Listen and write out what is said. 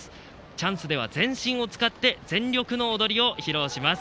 チャンスでは全身を使って全力の踊りを披露します。